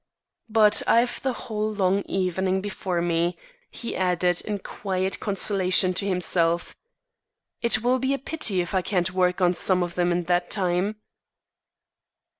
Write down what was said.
"But I've the whole long evening before me," he added in quiet consolation to himself. "It will be a pity if I can't work some of them in that time."